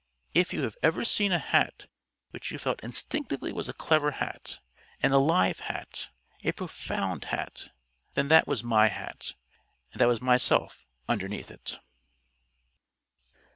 If you have ever seen a hat which you felt instinctively was a clever hat, an alive hat, a profound hat, then that was my hat and that was myself underneath it.